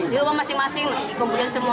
di rumah masing masing kemudian semua